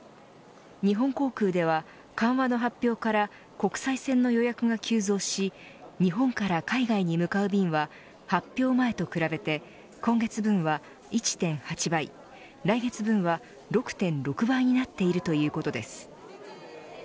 日本航空では、緩和の発表から国際線の予約が急増し日本から海外に向かう便は発表前と比べて今月分は１．８倍来月分は６．６倍になっているということです。